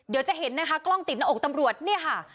เดี๋ยวจะเห็นนะคะกล้องติดหน้าอกตำรวจเนี่ยค่ะ